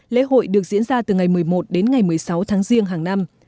lễ hội được diễn ra từ ngày một mươi một đến ngày một mươi sáu tháng riêng hàng năm